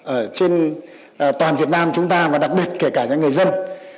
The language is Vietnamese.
ở trên toàn việt nam chúng ta và đặc biệt kể cả những người dân